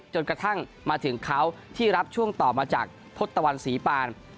จนกระทั่งมาถึงเขาที่รับช่วงต่อมาจากทศตวรรณศรีปาน